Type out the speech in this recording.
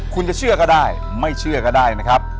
คุณจะเชื่อก็ได้ไม่เชื่อก็ได้นะครับ